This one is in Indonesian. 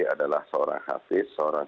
adalah seorang khasis seorang